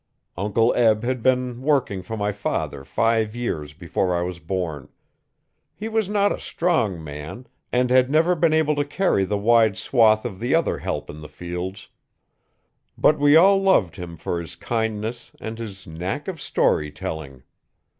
Uncle Eb had been working for my father five years before I was born. He was not a strong man and had never been able to carry the wide swath of the other help in the fields, but we all loved him for his kindness and his knack of story telling.